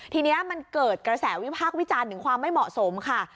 ทีนี้มันเกิดกระแสวิพากษ์วิจารณ์ถึงความไม่เหมาะสมค่ะ